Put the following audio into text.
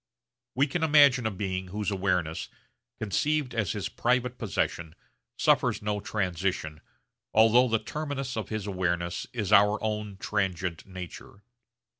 We can imagine a being whose awareness, conceived as his private possession, suffers no transition, although the terminus of his awareness is our own transient nature.